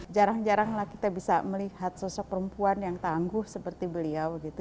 jarang jaranglah kita bisa melihat sosok perempuan yang tangguh seperti beliau gitu